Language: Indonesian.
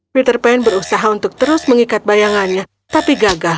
peter pan berusaha untuk terus mengikat bayangannya tapi gagah